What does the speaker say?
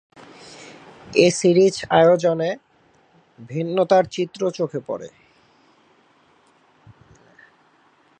এ series আয়োজনে ভিন্নতার চিত্র চোখে পড়ে।